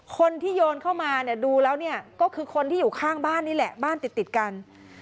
คนที่โยนเข้ามาเนี่ยดูแล้วเนี่ยก็คือคนที่อยู่ข้างบ้านนี่แหละบ้านติดติดกัน